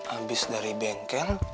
abis dari bengkel